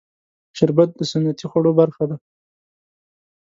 شربت د سنتي خوړو برخه ده